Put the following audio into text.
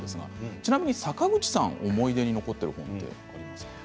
ちなみに坂口さんを思い出に残っている本はありますか。